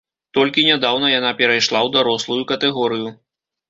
Толькі нядаўна яна перайшла ў дарослую катэгорыю.